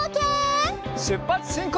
しゅっぱつしんこう！